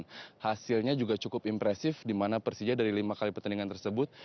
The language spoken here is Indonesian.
hasilnya juga cukup impresif di mana persija dari lima kali pertandingan tersebut